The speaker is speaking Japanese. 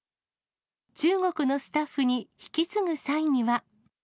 中国のスタッフに引き継ぐ際には。